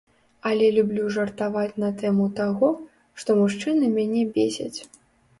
Але люблю жартаваць на тэму таго, што мужчыны мяне бесяць.